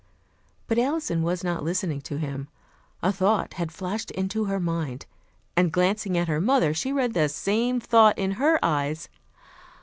But Alison was not listening to him. A thought had flashed into her mind, and glancing at her mother she read the same thought in her eyes.